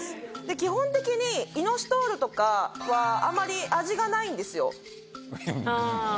基本的にイノシトールとかはあまり味がないんですよ。